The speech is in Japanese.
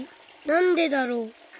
なんでだろう。